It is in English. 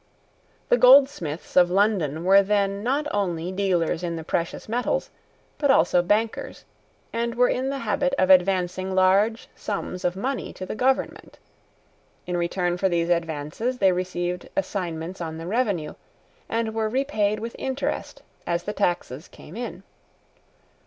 The goldsmiths of London were then not only dealers in the precious metals, but also bankers, and were in the habit of advancing large sums of money to the government. In return for these advances they received assignments on the revenue, and were repaid with interest as the taxes came in.